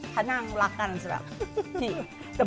ถ้านั่งรักกันจะแบบจริง